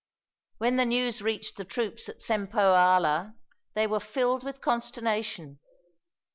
When the news reached the troops at Cempoalla, they were filled with consternation.